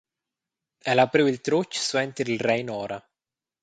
El ha priu il trutg suenter il Rein ora.